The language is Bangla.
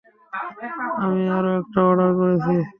আমি আরও একটা অর্ডার করছি।